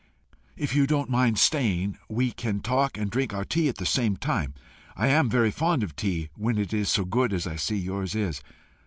If you don't mind staying, we can talk and drink our tea at the same time. I am very fond of tea, when it is so good as I see yours is.